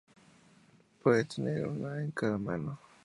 Se puede tener una en cada mano.